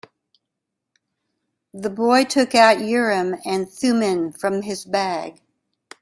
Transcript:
The boy took out Urim and Thummim from his bag.